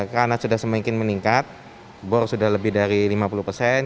karena sudah semakin meningkat bor sudah lebih dari lima puluh persen